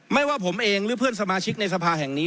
ไม่ว่าผมเองหรือเพื่อนสมาชิกในสภาแห่งนี้